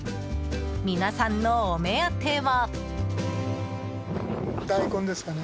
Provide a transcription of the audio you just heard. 皆さんのお目当ては。